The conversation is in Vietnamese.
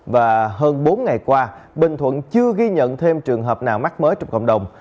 và hơn bốn ngày qua bình thuận chưa ghi nhận thêm trường hợp nào mắc mới trong cộng đồng